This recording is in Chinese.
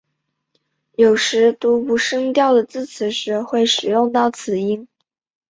有时读无声调的字词时会使用到此音。